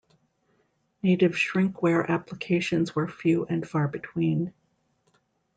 Native shrinkware applications were few and far between.